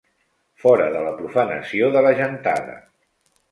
Fora de la profanació de la gentada